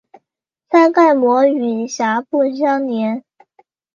腮盖膜与峡部相连。